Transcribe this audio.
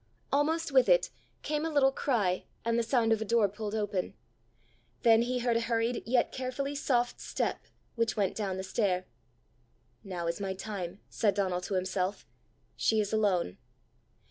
Almost with it came a little cry, and the sound of a door pulled open. Then he heard a hurried, yet carefully soft step, which went down the stair. "Now is my time!" said Donal to himself. "She is alone!"